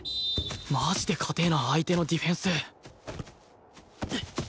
マジで堅えな相手のディフェンス！